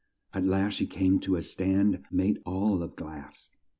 At last she came to a stand made all of glass.